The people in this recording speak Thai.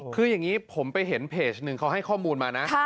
คืออย่างนี้ผมไปเห็นเพจหนึ่งเขาให้ข้อมูลมานะ